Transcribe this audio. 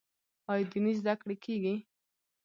آیا دیني زده کړې کیږي؟